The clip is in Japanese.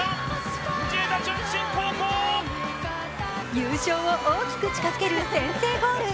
優勝を大きく近づける先制ゴール。